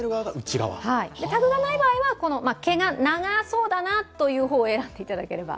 タグがない場合は、毛が長そうだなと思った方を選んでいただければ。